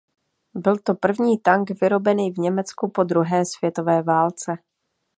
Byl to první tank vyrobený v Německu po druhé světové válce.